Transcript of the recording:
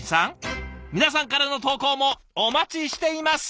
皆さんからの投稿もお待ちしています！